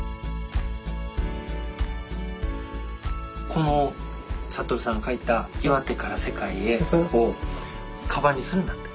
この覚さんが書いた「岩手から世界へ！」をカバンにするんだって。